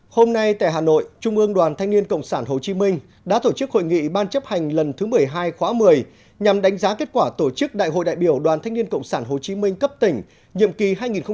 hôm nay tại hà nội trung ương đoàn thanh niên cộng sản hồ chí minh đã tổ chức hội nghị ban chấp hành lần thứ một mươi hai khóa một mươi nhằm đánh giá kết quả tổ chức đại hội đại biểu đoàn thanh niên cộng sản hồ chí minh cấp tỉnh nhiệm kỳ hai nghìn một mươi tám hai nghìn hai mươi ba